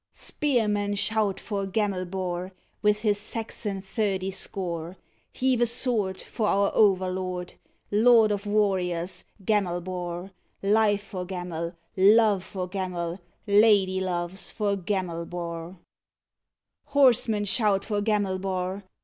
Spearmen, shout for Gamelbar, With his Saxon thirty score! Heave a sword For our overlord, Lord of warriors, Gamelbar! Life for Gamel, Love for Gamel, Lady loves for Gamelbar! Horsemen, shout for Gamelbar!